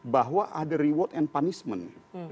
bahwa ada reward and punishment